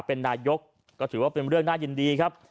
เป็นนายกก็ถือว่าเป็นเรื่องน่ายินดีครับ